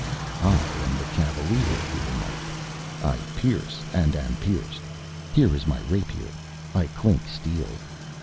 "I am the cavalier," he remarked. "I pierce and am pierced. Here is my rapier. I clink steel.